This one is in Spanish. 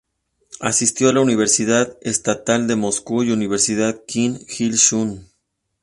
Asistió a la Universidad Estatal de Moscú y la Universidad Kim Il-sung.